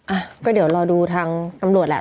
อ่ะก็เดี๋ยวรอดูทางตำรวจแหละ